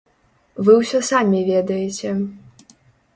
Вы ўсё самі ведаеце.